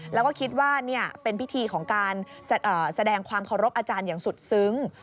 แล้วก็คิดว่าเป็นพิธีของการแสดงความเคารพอาจารย์อย่างสุดซึ้ง